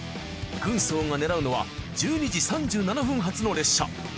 軍曹が狙うのは１２時３７分発の列車。